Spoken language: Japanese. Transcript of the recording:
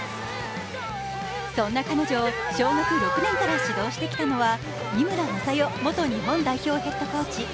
そんな彼女を小学６年から指導してきたのは井村雅代元日本代表ヘッドコーチ。